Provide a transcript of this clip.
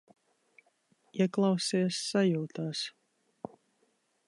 Ieklausies sajūtās.